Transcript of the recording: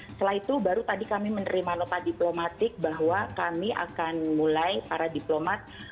setelah itu baru tadi kami menerima nopal diplomatik bahwa kami akan mulai para diplomat